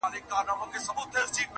• نجلۍ له غوجلې سره تړل کيږي تل..